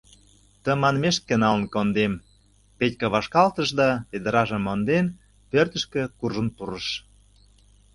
Тыманмешке налын кондем, — Петька вашкалтыш да, ведражымат монден, пӧртышкӧ куржын пурыш.